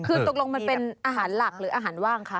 คือตกลงมันเป็นอาหารหลักหรืออาหารว่างคะ